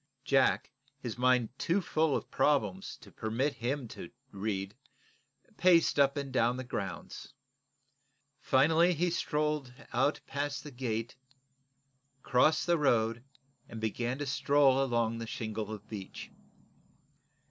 Jack, his mind too full of problems to permit him to read, paced up and down the grounds. Finally he strolled, out past the gate, crossed the road and began to stroll along the shingle of bench.